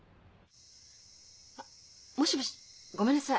あっもしもしごめんなさい。